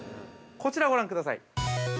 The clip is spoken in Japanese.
こちらをご覧ください。